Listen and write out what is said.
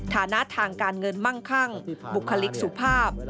ฐานะทางการเงินมั่งคั่งบุคลิกสุภาพ